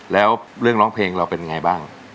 แล้วเรื่องร้องเพลงเราเป็นยังไงบ้าง